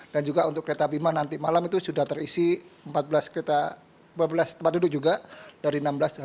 dan juga untuk kereta bima nanti malam itu sudah terisi empat belas tempat duduk juga dari enam belas